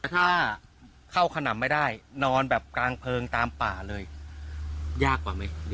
ถ้าเข้าขนำไม่ได้นอนแบบกลางเพลิงตามป่าเลยยากกว่าไหม